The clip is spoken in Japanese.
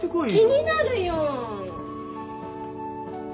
気になるよ！